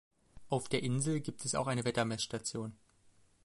Auf der Insel gibt es auch eine Wetter-Messstation.